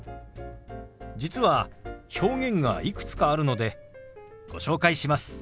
実は表現がいくつかあるのでご紹介します。